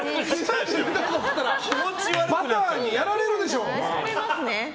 バターにやられるでしょ。